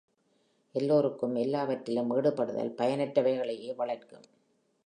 எல்லோருக்கும் எல்லாவற்றிலும் ஈடுபடுதல் பயனற்றவைகளையே வளர்க்கும்.